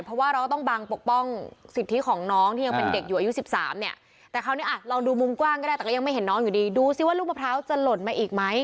เพราะว่าเราก็ต้องบังปกป้องสิทธิของน้องที่ยังเป็นเด็กอยู่อายุ๑๓เนี่ยแต่คราวนี้อ่ะลองดูมุมกว้างก็ได้แต่ก็ยังไม่เห็นน้องอยู่ดีดูสิว่าลูกมะพร้าวจะหล่นมาอีกไหม